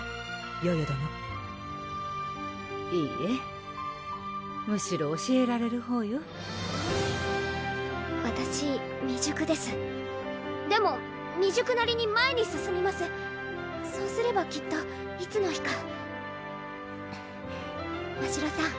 ヨヨ殿いいえむしろ教えられるほうよわたし未熟ですでも未熟なりに前に進みますそうすればきっといつの日かましろさん